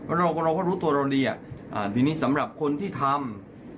เราก็เราก็รู้ตัวเราดีทีนี้สำหรับคนที่ทำ